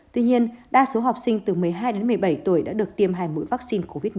tuy nhiên đa số học sinh từ một mươi hai đến một mươi bảy tuổi đã được tiêm hai mũi vaccine covid một mươi chín